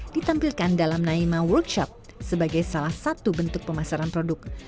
ditampilkan dalam naima workshop sebagai salah satu bentuk pemasaran produk